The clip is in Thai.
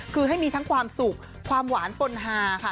คือให้มีทั้งความสุขความหวานปนฮาค่ะ